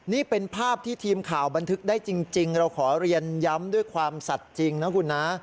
นี่เป็นภาพที่ทีมข่าวบันทึกได้จริงเราขอเรียนย้ำด้วยความสัตว์จริงนะคุณนะ